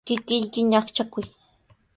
Kikiyki ñaqchakuy.